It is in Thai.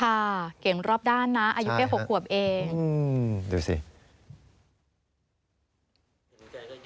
ค่ะเก่งรอบด้านนะอายุแค่๖ขวบเอง